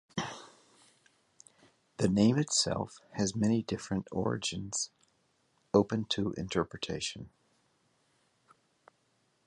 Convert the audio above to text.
The name itself has many different origins, open to interpretation.